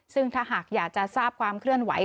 ซึ่งถ้าหากอยากจะทราบความเคลื่อนไหว